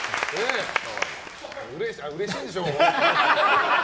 うれしいんでしょ？